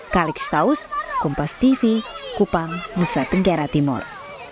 kalix taus kompas tv kupang nusa tenggara timur